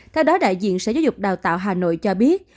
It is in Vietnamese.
theo đó đại diện sở giáo dục đào tạo hà nội cho biết